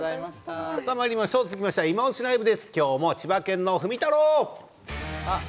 続きまして「いまオシ！ＬＩＶＥ」です。今日も千葉県のふみたろう。